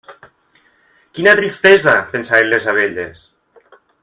Quina tristesa!, pensaven les abelles.